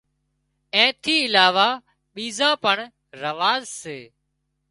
اين ٿِي علاوه ٻيزا پڻ رواز سي